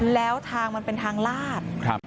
แล้วทางมันเป็นทางลาด